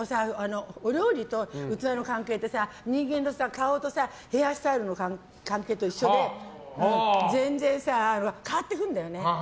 お料理と器の関係って人間の顔とヘアスタイルの関係と一緒で全然変わってくるんだよね。